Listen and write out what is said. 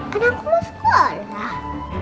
karena aku mau sekolah